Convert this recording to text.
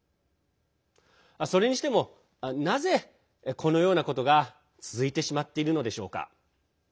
それにしてもなぜ、このようなことが続いてしまっているのでしょうか。